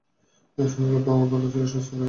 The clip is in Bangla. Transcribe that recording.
স্বর্গে তো কোনও নাস্তিকের স্থান নেই, তাই না?